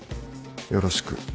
よろしく。